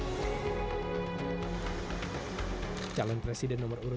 sementara itu cawa pres sandiaga uno usai sholat taraweh di jakarta berpesan agar memberi suasana keadaan